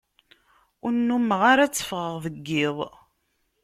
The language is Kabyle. Ur nnumeɣ ara tteffɣeɣ deg iḍ.